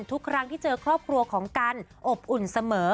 ทุกครั้งที่เจอครอบครัวของกันอบอุ่นเสมอ